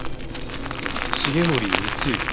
「繁森光之」